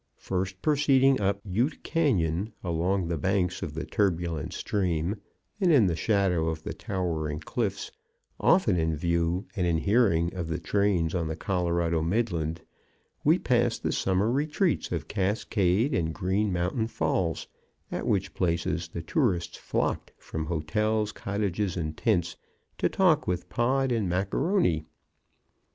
First proceeding up Ute Canyon along the banks of the turbulent stream and in the shadow of the towering cliffs, often in view and in hearing of the trains on the Colorado Midland, we passed the summer retreats of Cascade and Green Mountain Falls, at which places the tourists flocked from hotels, cottages and tents to talk with Pod and Mac A'Rony.